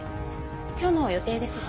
今日の予定ですが。